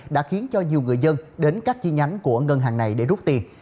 đã khiến cho nhiều người dân đến các chi nhánh của ngân hàng này để rút tiền